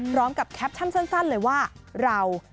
พร้อมกับแคปชั่นเลยว่าเรา